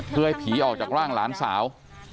เพื่อให้ผีออกจากร่างหลานสาว